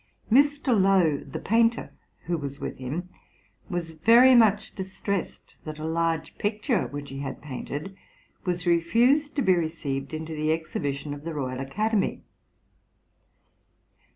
Mr. Lowe, the painter, who was with him, was very much distressed that a large picture which he had painted was refused to be received into the Exhibition of the Royal Academy.